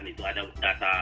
ada data penduduk indonesia